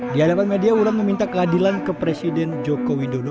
di hadapan media wulan meminta keadilan ke presiden joko widodo